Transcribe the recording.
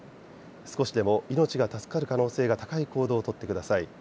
少しでも命が助かる可能性が高い行動を取ってください。